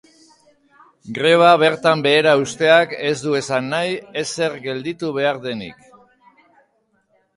Greba bertan behera uzteak ez du esan nahi ezer gelditu behar denik.